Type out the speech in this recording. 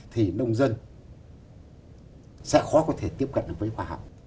thì nông dân sẽ khó có thể tiếp cận được với khoa học